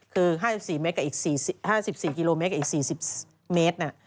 คือ๕๔กิโลเมตรกับอีก๔๐เมตรนะ